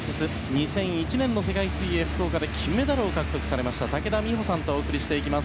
２００１年の世界水泳福岡で金メダルを獲得されました武田美保さんとお送りしていきます。